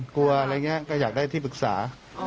กลัวอะไรอย่างนี้ก็อยากได้ที่ปรึกษา